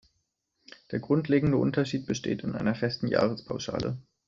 Der grundlegende Unterschied besteht in einer festen Jahrespauschale.